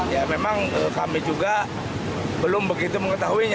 ya memang kami juga belum begitu mengetahuinya